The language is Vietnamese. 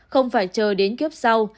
không phải chờ đến kiếp sau